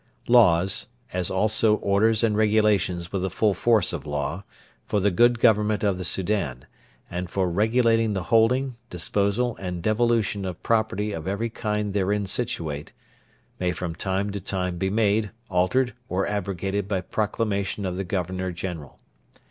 Laws, as also Orders and Regulations with the full force of law, for the good government of the Soudan, and for regulating the holding, disposal, and devolution of property of every kind therein situate, may from time to time be made, altered, or abrogated by Proclamation of the Governor General.